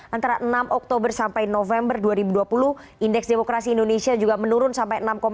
antara enam oktober sampai november dua ribu dua puluh indeks demokrasi indonesia juga menurun sampai enam tujuh